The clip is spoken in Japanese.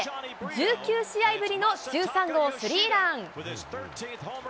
１９試合ぶりの１３号スリーラン。